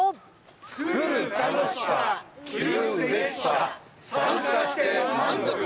作る楽しさ、着るうれしさ、参加して満足。